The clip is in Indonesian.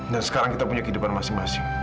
dan sekarang kita punya kehidupan masing masing